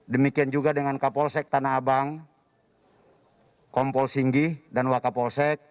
demikian juga dengan kapolsek tanah abang kompol singgi dan wakapolsek